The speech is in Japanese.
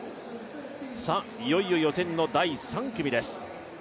いよいよ予選の第３組です。